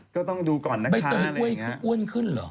ก็ต้องดูก่อนนะคะใบเตยเว้ยก็อ้วนขึ้นหรอ